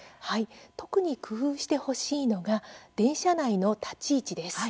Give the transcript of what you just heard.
特に工夫してほしいのが電車内の立ち位置です。